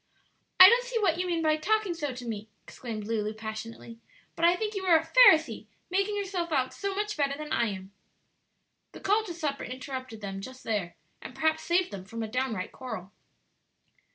"I don't see what you mean by talking so to me," exclaimed Lulu, passionately; "but I think you are a Pharisee making yourself out so much better than I am!" The call to supper interrupted them just there, and perhaps saved them from a down right quarrel.